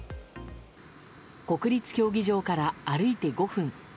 国立競技場から歩いて５分。